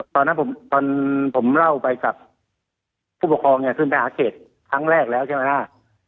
ตอนนั้นผมเล่าไปคุณผู้ปกครองก็คืนไปหาเขตครั้งแรกแล้วใช่หรือเปล่า